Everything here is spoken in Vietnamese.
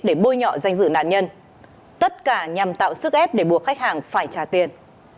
để bôi nhọ danh dự nạn nhân tất cả nhằm tạo sức ép để buộc khách hàng phải trả tiền